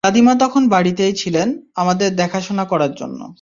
দাদিমা তখন বাড়িতেই ছিলেন, আমাদের দেখাশোনা করার জন্য।